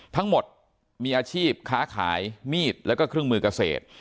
ทั้งหมดมีอาชีพค้าขายมีดแล้วก็เครื่องมือเกษตร